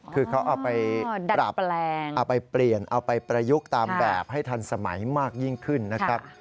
คือเขาเอาไปปรับเอาไปเปลี่ยนเอาไปประยุกต์ตามแบบให้ทันสมัยมากยิ่งขึ้นนะครับ